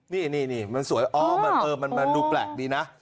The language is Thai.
นี่มันสวยอ๋อมันดูแปลกดีนะ